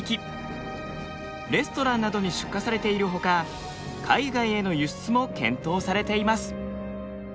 レストランなどに出荷されているほか海外への輸出も検討されています。